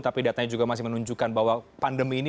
tapi datanya juga masih menunjukkan bahwa pandemi ini